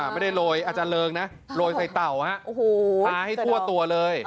ไม่ได้โรยอาจารย์เริงนะโรยใส่เต่าทาให้ทั่วตัวเลย